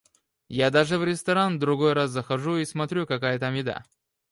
Я даже в ресторан, другой раз, захожу и смотрю, какая там еда.